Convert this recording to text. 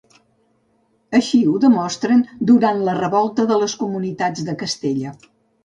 Així ho demostren durant la Revolta de les Comunitats de Castella.